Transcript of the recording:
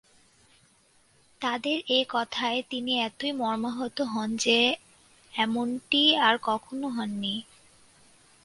তাদের এ কথায় তিনি এতই মর্মাহত হন যে, এমনটি আর কখনও হননি।